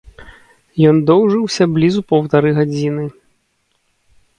Ён доўжыўся блізу паўтары гадзіны.